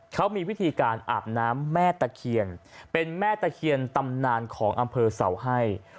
เขามีวิธีการอาบน้ำแม่ตะเคียนเป็นแม่ตะเคียนตำนานของอำเภอเสาให้